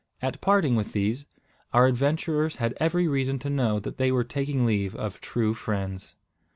At parting with these, our adventurers had every reason to know that they were taking leave of true friends.